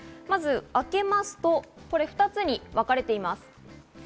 まず開けますと２つにわかれています。